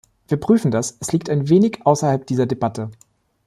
Wir prüfen das, es liegt ein wenig außerhalb dieser Debatte.